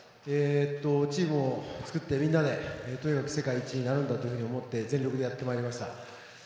チームを作ってみんなでとにかく世界一になるんだと思って全力でやってまいりました。